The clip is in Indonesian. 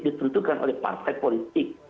ditentukan oleh partai politik